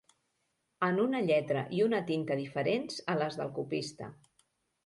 En una lletra i una tinta diferents a les del copista.